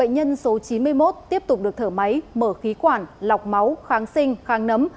bệnh nhân số chín mươi một tiếp tục được thở máy mở khí quản lọc máu kháng sinh kháng nấm